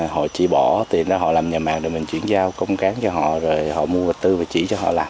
họ chỉ bỏ tiền ra họ làm nhà màng để mình chuyển giao công cán cho họ rồi họ mua vật tư và chỉ cho họ làm